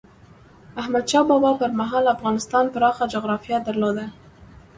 احمد شاه بابا پر مهال افغانستان پراخه جغرافیه درلوده.